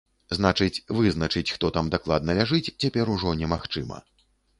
Значыць, вызначыць, хто там дакладна ляжыць, цяпер ужо немагчыма.